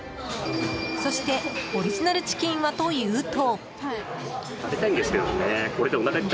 そしてオリジナルチキンはというと。